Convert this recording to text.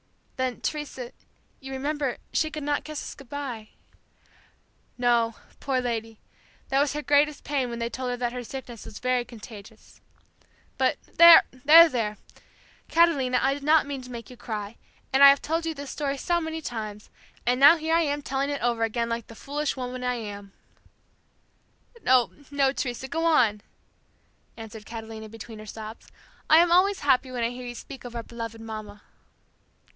"Then, Teresa, you remember, she could not kiss us goodbye." "No, poor lady, that was her greatest pain when they told her that her sickness was very contagious. But there! there! Catalina, I did not mean to make you cry, and I have told you this story so many times, and now here I am telling it over again like the foolish woman I am!" "No, no, Teresa, go on," answered Catalina between her sobs. "I am always happy when I hear you speak of our beloved Mamma."